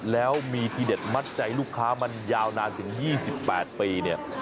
แล้วมีทีเด็ดมัดใจลูกค้ามันยาวนานถึง๒๘ปีเนี่ย